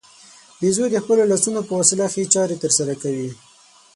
بیزو د خپلو لاسونو په وسیله ښې چارې ترسره کوي.